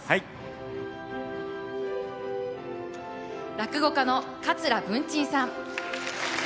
落語家の桂文珍さん。